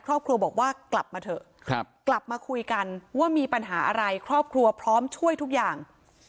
ครอบครัวบอกว่ากลับมาเถอะกลับมาคุยกันว่ามีปัญหาอะไรครอบครัวพร้อมช่วยทุกอย่าง